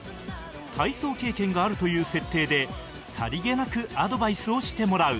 体操経験があるという設定でさりげなくアドバイスをしてもらう